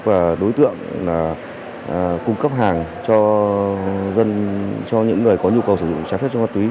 và đối tượng cung cấp hàng cho những người có nhu cầu sử dụng trái phép cho ma túy